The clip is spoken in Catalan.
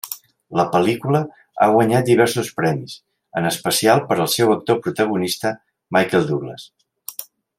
La pel·lícula ha guanyat diversos premis, en especial per al seu actor protagonista, Michael Douglas.